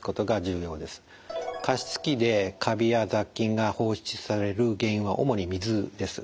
加湿器でカビや雑菌が放出される原因は主に水です。